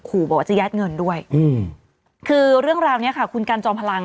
ขู่บอกว่าจะยัดเงินด้วยคือเรื่องราวเนี้ยค่ะคุณกันจอมพลัง